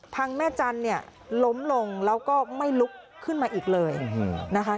แม่จันทร์เนี่ยล้มลงแล้วก็ไม่ลุกขึ้นมาอีกเลยนะคะ